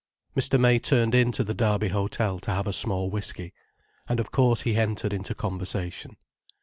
Mr. May turned in to the Derby Hotel to have a small whiskey. And of course he entered into conversation.